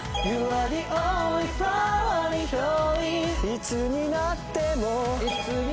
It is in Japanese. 「いつになっても」